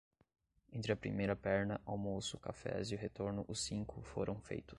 Entre a primeira perna, almoço, cafés e o retorno os cinco foram feitos.